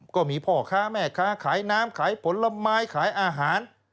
ก็มีพ่อค้าแม่ค้าขายน้ำขายผลไม้ขายอาหาร